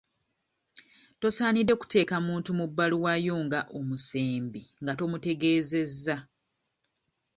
Tosaanidde kuteeka muntu mu bbaluwa yo nga omusembi nga tomutegeezezza.